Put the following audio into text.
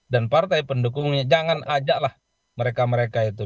dan partai pendukungnya jangan ajaklah mereka mereka itu